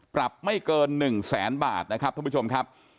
ปรับไม่เกิน๑แสนบาทนะครับท่านผู้ชมครับ